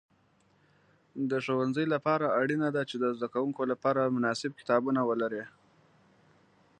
د ښوونځي لپاره اړینه ده چې د زده کوونکو لپاره مناسب کتابونه ولري.